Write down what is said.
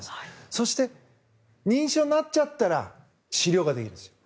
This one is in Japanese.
そして、認知症になっちゃったら治療ができるんです。